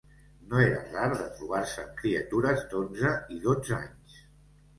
No era rar de trobar-se amb criatures d'onze i dotze anys